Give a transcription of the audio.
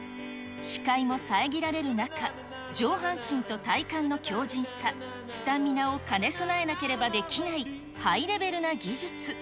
視界も遮られる中、上半身と体幹の強じんさ、スタミナを兼ね備えなければできない、ハイレベルな技術。